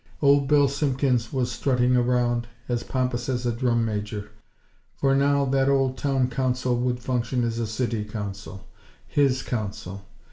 Old Bill Simpkins was strutting around, as pompous as a drum major; for, now, that old Town Council would function as a CITY council; HIS council!